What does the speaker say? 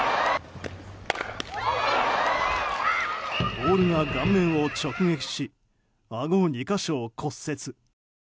ボールが顔面を直撃しあご２か所を骨折。